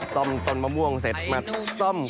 ซ่อมต้นมะม่วงเสร็จมาซ่อม